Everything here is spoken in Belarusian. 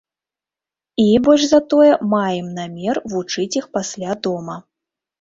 І, больш за тое, маем намер вучыць іх пасля дома.